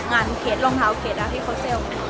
งานรองเท้าเขตที่โคเซล